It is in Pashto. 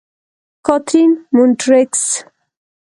کاترین: مونټریکس.